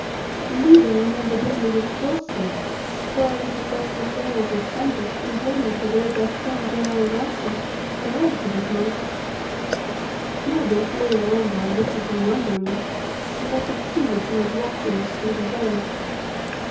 Indeed I remember dimly that it was so, for I was the first Hesea of this Temple, and journeyed hither with that same general Rassen, a relative of mine." Now both Leo and I looked at her wonderingly, and I could see that she was watching us through her veil.